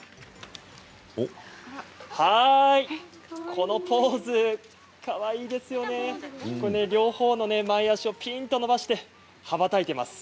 はい、このポーズかわいいですよね、両方の前足をぴんと伸ばして羽ばたいています。